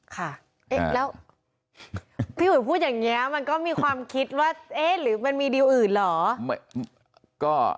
ค่ะแล้วพี่อุ๋ยพูดอย่างนี้มันก็มีความคิดว่าเอ๊ะหรือมันมีดีลอื่นเหรอ